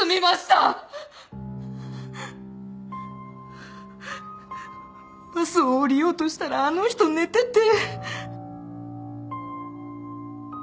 バスを降りようとしたらあの人寝てて。